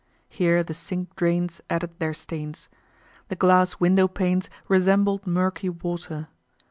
Here the sink drains added their stains. The glass window panes resembled murky water.